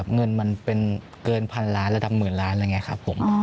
เงินมันเป็นเกินพันล้านระดับหมื่นล้านอะไรอย่างนี้ครับผม